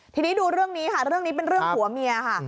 ทีนี้ดูเรื่องนี้ค่ะเรื่องนี้เป็นเรื่องผัวเมียค่ะ